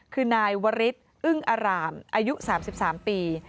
คือนายวริสอึ้งอารามอายุ๓๓ปี